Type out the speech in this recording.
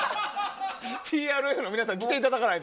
ＴＲＦの皆さんに来ていただかないと。